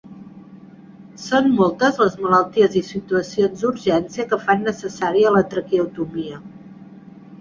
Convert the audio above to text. Són moltes les malalties i situacions d'urgència que fan necessària la traqueotomia.